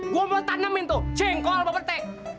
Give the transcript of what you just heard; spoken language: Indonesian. mau mau tanamin tuh jengkol bapak petek